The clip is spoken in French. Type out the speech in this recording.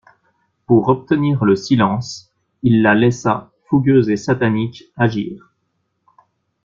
Pour obtenir le silence, il la laissa, fougueuse et satanique, agir.